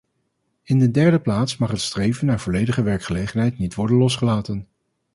In de derde plaats mag het streven naar volledige werkgelegenheid niet worden losgelaten.